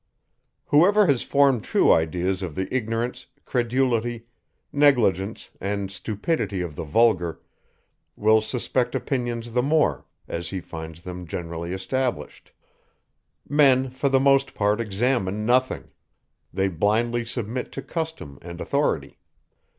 Whoever has formed true ideas of the ignorance, credulity, negligence, and stupidity of the vulgar, will suspect opinions the more, as he finds them generally established. Men, for the most part, examine nothing: they blindly submit to custom and authority.